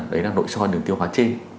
đấy là nội soi đường tiêu hóa trên